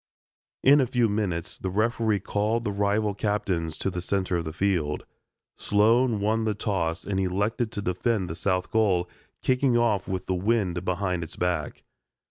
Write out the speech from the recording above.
In a few minutes the referee called the rival captains to the center of the field. Sloan won the toss and elected to defend the south goal, kicking off with the wind behind its back.